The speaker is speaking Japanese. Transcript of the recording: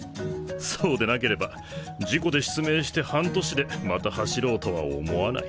そうでなければ事故で失明して半年でまた走ろうとは思わない。